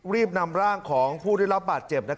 รีบนำร่างของผู้ได้รับบาดเจ็บ